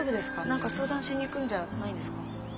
何か相談しに行くんじゃないんですか？